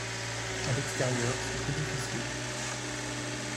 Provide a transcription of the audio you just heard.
À l’extérieur, c’est plus difficile